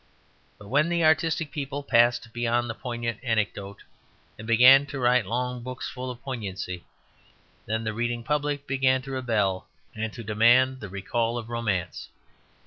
But when the artistic people passed beyond the poignant anecdote and began to write long books full of poignancy, then the reading public began to rebel and to demand the recall of romance.